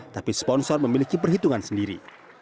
tapi sponsor memiliki perhitungan sendiri